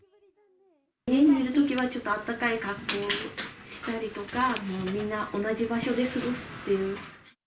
家にいるときは、ちょっとあったかい格好をしたりとか、みんな同じ場所で過ごすっていう。